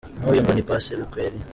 Nk uyu ngo ni Paceli kwerii